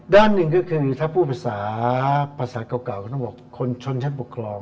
ด้านหนึ่งก็คือถ้าพูดภาษาภาษาเก่าก็ต้องบอกคนชนชั้นปกครอง